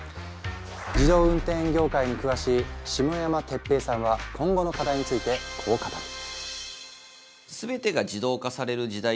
自動運転業界に詳しい下山哲平さんは今後の課題についてこう語る。